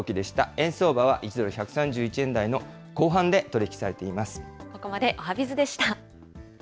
円相場は１ドル１３１円台の後半で取り引きされています。